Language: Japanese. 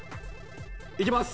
いきます。